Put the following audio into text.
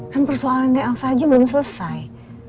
kan persoalannya elsa aja belum selesai